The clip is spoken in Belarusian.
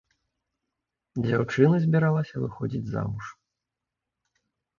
Дзяўчына збіралася выходзіць замуж.